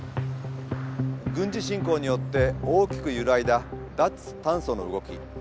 軍事侵攻によって大きく揺らいだ脱炭素の動き。